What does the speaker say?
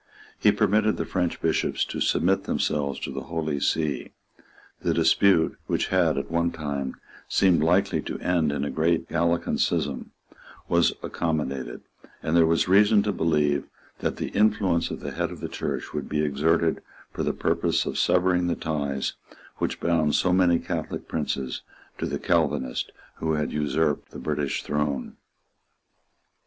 He permitted the French Bishops to submit themselves to the Holy See. The dispute, which had, at one time, seemed likely to end in a great Gallican schism, was accommodated; and there was reason to believe that the influence of the head of the Church would be exerted for the purpose of severing the ties which bound so many Catholic princes to the Calvinist who had usurped the British throne.